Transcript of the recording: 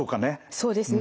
そうですね。